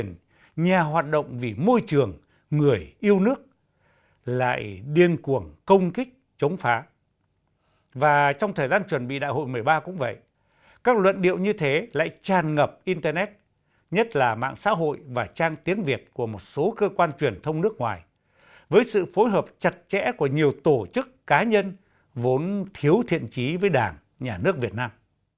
và trong thời gian chuẩn bị đại hội một mươi ba cũng vậy các luận điệu như thế lại tràn ngập internet nhất là mạng xã hội và trang tiếng việt của một số cơ quan truyền thông nước ngoài với sự phối hợp chặt chẽ của nhiều tổ chức cá nhân vốn thiếu thiện trí với đảng nhà nước việt nam